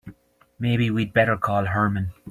Maybe we'd better call Herman.